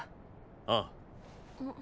ああ。！